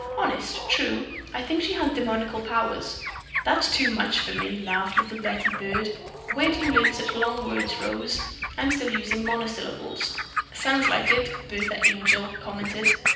"Honest, true, I think she has demoniacal powers." "That's too much for me!" laughed little Betty Byrd. "Where do you learn such long words, Rose? I'm still using monosyllables." "Sounds like it!" Bertha Angel commented.